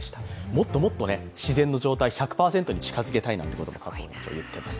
もっともっと自然の状態１００％に近づけたいと佐藤園長は言っています。